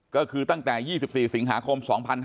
ก็คือตั้งแต่๒๔สิงหาคม๒๕๕๙